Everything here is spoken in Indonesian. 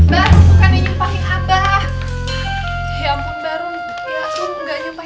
bukan nyumpahin abah